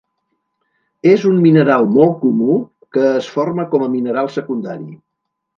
És un mineral molt comú que es forma com a mineral secundari.